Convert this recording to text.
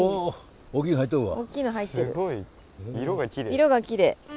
色がきれい。